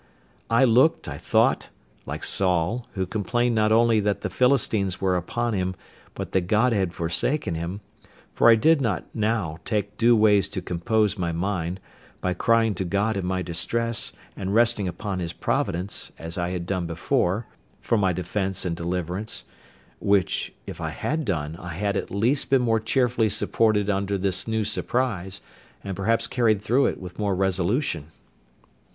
I looked, I thought, like Saul, who complained not only that the Philistines were upon him, but that God had forsaken him; for I did not now take due ways to compose my mind, by crying to God in my distress, and resting upon His providence, as I had done before, for my defence and deliverance; which, if I had done, I had at least been more cheerfully supported under this new surprise, and perhaps carried through it with more resolution.